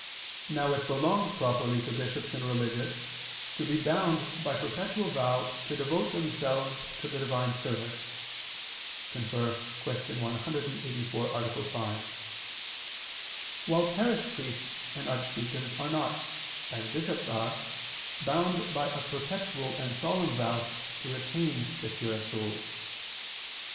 Now it belongs properly to bishops and religious to be bound by perpetual vow to devote themselves to the divine service [*Cf. Q. 184, A. 5], while parish priests and archdeacons are not, as bishops are, bound by a perpetual and solemn vow to retain the cure of souls.